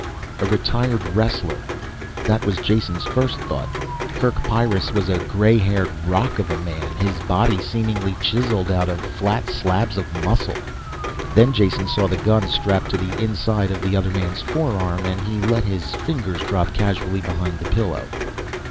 A retired wrestler. That was Jason's first thought. Kerk Pyrrus was a gray haired rock of a man. His body seemingly chiseled out of flat slabs of muscle. Then Jason saw the gun strapped to the inside of the other man's forearm, and he let his fingers drop casually behind the pillow.